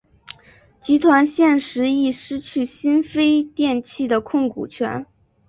集团现时亦失去新飞电器的控股权。